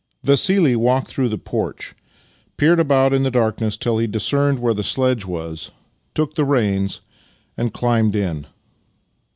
Vassili walked through the porch, peered about in the darkness till he discerned where the sledge was, took the reins, and chmbed in.